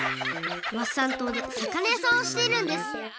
ワッサン島でさかなやさんをしているんです。